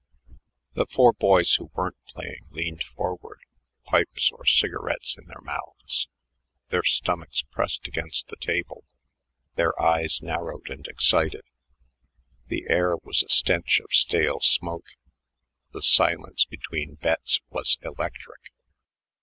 The four boys who weren't playing leaned forward, pipes or cigarettes in their mouths, their stomachs pressed against the table, their eyes narrowed and excited. The air was a stench of stale smoke; the silence between bets was electric.